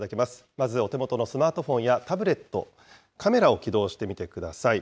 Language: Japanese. まず、お手元のスマートフォンやタブレット、カメラを起動してみてください。